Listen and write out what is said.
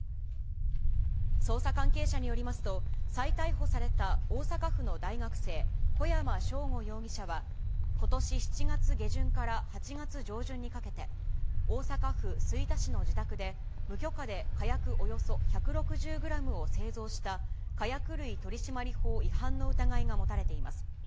捜査関係者によりますと、再逮捕された大阪府の大学生、小山尚吾容疑者は、ことし７月下旬から８月上旬にかけて、大阪府吹田市の自宅で、無許可で火薬およそ１６０グラムを製造した火薬類取締法違反の疑いが持たれています。